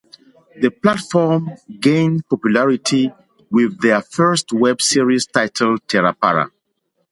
The platform gained popularity with their first Web series titled "Thera Para".